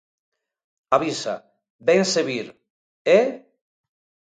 Avisa, vénse vir, e...